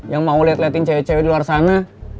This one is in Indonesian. yang mau liat liatin cewek cewek di luar sana